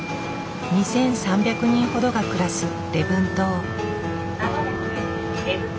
２，３００人ほどが暮らす礼文島。